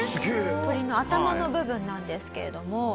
鳥の頭の部分なんですけれども。